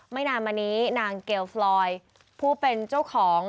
ไม่นานมานี้นางเกลฟลอยผู้เป็นเจ้าของ